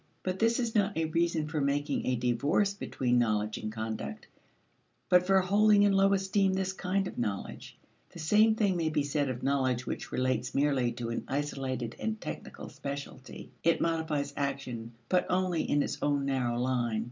But this is not a reason for making a divorce between knowledge and conduct, but for holding in low esteem this kind of knowledge. The same thing may be said of knowledge which relates merely to an isolated and technical specialty; it modifies action but only in its own narrow line.